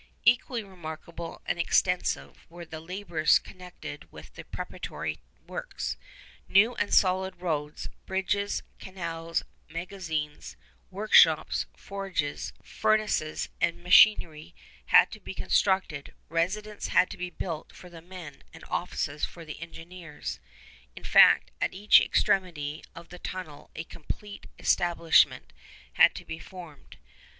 Equally remarkable and extensive were the labours connected with the preparatory works. New and solid roads, bridges, canals, magazines, workshops, forges, furnaces, and machinery had to be constructed; residences had to be built for the men, and offices for the engineers; in fact, at each extremity of the tunnel a complete establishment had to be formed.